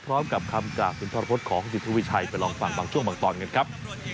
ก็จะทำกากเป็นพอรพฤตของทีมชาติไทยไปลองฟังบางช่วงบางตอนกันครับ